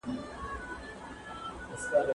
هغه د خپلو اولادونو ستونزو ته غوږ نیسي.